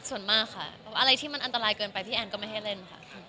ส่วนมากค่ะอะไรที่มันอันตรายเกินไปพี่แอนก็ไม่ให้เล่นค่ะ